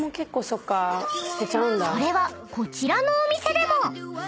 ［それはこちらのお店でも］